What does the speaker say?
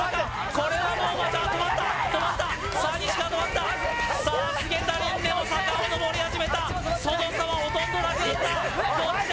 これはもうまたあっ止まった止まったさあ西川止まったさあ菅田琳寧も坂を上り始めたその差はほとんどなくなったどっちだ